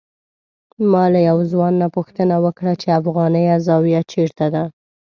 ما له یو ځوان نه پوښتنه وکړه چې افغانیه زاویه چېرته ده.